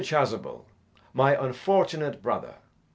Chasuble, my unfortunate brother.